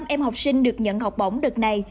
năm mươi năm em học sinh được nhận học bổng đợt này